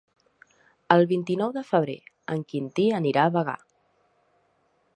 El vint-i-nou de febrer en Quintí anirà a Bagà.